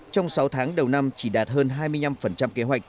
trong sáu tháng đầu năm chỉ đạt hơn hai mươi năm kế hoạch